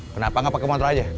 kenapa gak pake motor aja